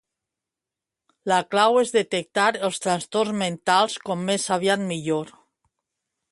La clau és detectar els trastorn mentals com més aviat millor.